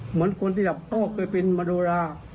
เหมือนคนที่หลับป้อเคยเป็นมโนรา